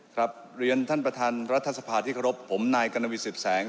เรียนท่านประธานรัฐสภาที่เคารพผมนายกรณวิสิตแสง